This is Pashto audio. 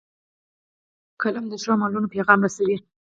قلم د ښو عملونو پیغام رسوي